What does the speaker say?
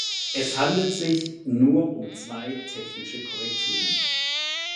Es handelt sich nur um zwei technische Korrekturen.